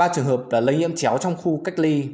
ba trường hợp lây nhiễm chéo trong khu cách ly